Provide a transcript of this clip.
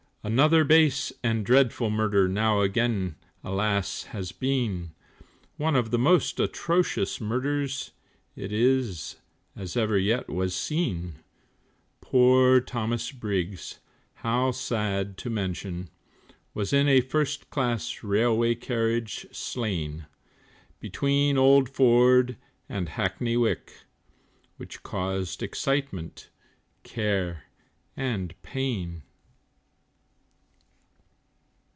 Another base and dreadful murder, Now again, alas, has been, One of the most atrocious murders It is, as ever yet was seen; Poor Thomas Briggs, how sad to mention, Was in a first class railway carriage slain, Between Old Ford and Hackney Wick, Which caused excitement, care and pain.